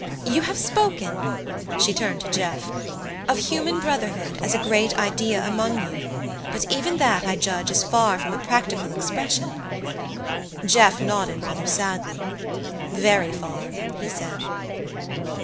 You have spoken" she turned to Jeff, "of Human Brotherhood as a great idea among you, but even that I judge is far from a practical expression?" Jeff nodded rather sadly. "Very far " he said.